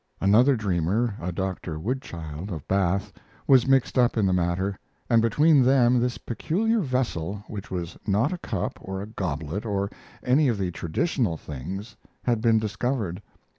Another dreamer, a Dr. Goodchild, of Bath, was mixed up in the matter, and between them this peculiar vessel, which was not a cup, or a goblet, or any of the traditional things, had been discovered.